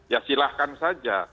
ya silahkan saja